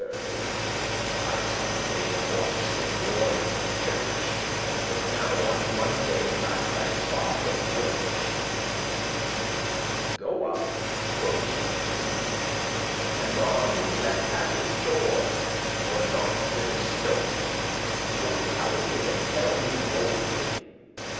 *certainly I saw to day a corpse y borne to chirch, That now on Monday last I saw him wirch*. *work "Go up," quod he unto his knave*, "anon; *servant. Clepe* at his door, or knocke with a stone: *call Look how it is, and tell me boldely."